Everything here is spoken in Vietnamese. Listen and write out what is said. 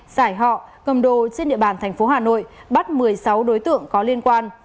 giải họ cầm đồ trên địa bàn thành phố hà nội bắt một mươi sáu đối tượng có liên quan